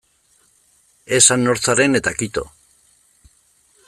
Esan nor zaren eta kito.